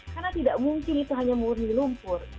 karena tidak mungkin itu hanya murni lumpur